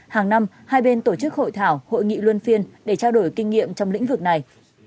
hàng năm hai bên tổ chức hội thảo hội nghị luân phiên để trao đổi kinh nghiệm trong lĩnh vực này